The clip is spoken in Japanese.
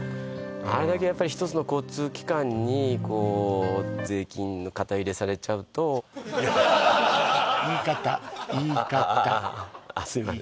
あれだけやっぱり１つの交通機関にこう税金の肩入れされちゃうといや言い方言い方言い方